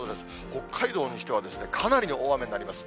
北海道にしては、かなりの大雨になります。